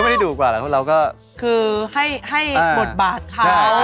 ไม่ได้ดูกกว่าเราคือให้บทบาทค่ะ